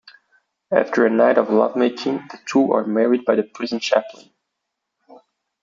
After a night of lovemaking, the two are married by the prison chaplain.